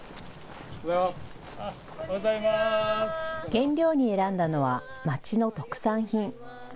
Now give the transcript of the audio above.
原料に選んだのは町の特産品。